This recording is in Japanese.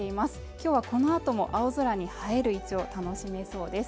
今日はこのあとも青空に映えるいちょう楽しめそうです